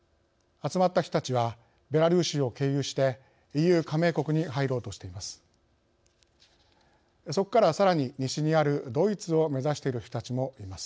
集まった人たちはベラルーシを経由してＥＵ加盟国に入ろうとしています。